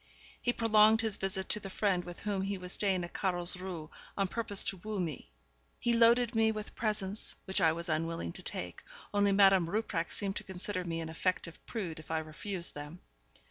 He prolonged his visit to the friend with whom he was staying at Carlsruhe, on purpose to woo me. He loaded me with presents, which I was unwilling to take, only Madame Rupprecht seemed to consider me an affected prude if I refused them.